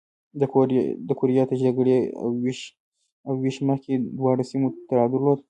د کوریا تر جګړې او وېش مخکې دواړو سیمو تړاو درلود.